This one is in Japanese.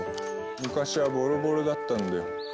昔はボロボロだったんだよ。